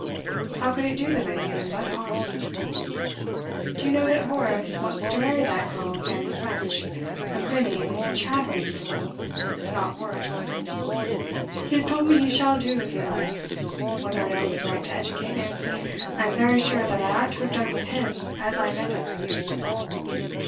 How could it do them anything but harm? Do you know that Horace wants to marry that girl Fanny French a grinning, chattering fool if not worse. He has told me he shall do as he likes. Whether or no it was right to educate Nancy, I am very sure that I ought to have done with him as I meant at first.